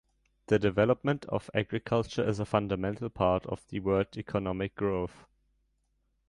The development of agriculture is a fundamental part of the world economic growth.